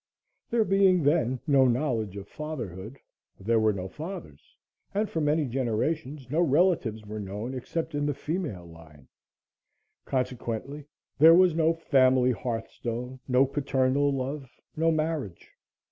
There being then no knowledge of fatherhood, there were no fathers, and for many generations no relatives were known except in the female line. Consequently, there was no family hearthstone; no paternal love; no marriage.